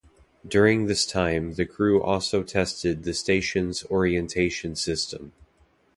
During this time the crew also tested the station's orientation system.